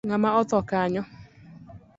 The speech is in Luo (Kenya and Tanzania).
Ngama otho kanyo?